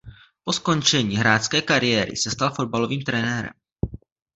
Po skončení hráčské kariéry se stal fotbalovým trenérem.